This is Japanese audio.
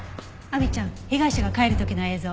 亜美ちゃん被害者が帰る時の映像。